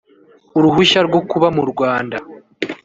Uruhushya rwo Kuba mu Rwanda.